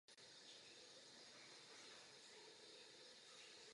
Po vzájemné diskusi vývojářů byl tento problém vyřešen.